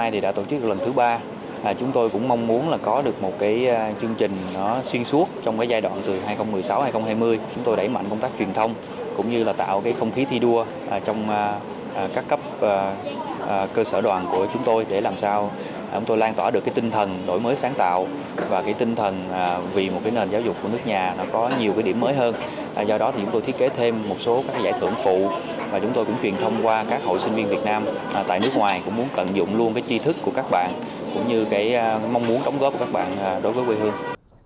qua các hội sinh viên việt nam tại nước ngoài cũng muốn tận dụng luôn cái trí thức của các bạn cũng như cái mong muốn đóng góp của các bạn đối với quê hương